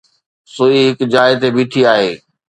سوئي هڪ جاءِ تي بيٺي آهي.